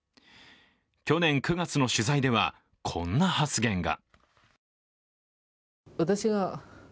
去年９月の取材ではこんな発言が。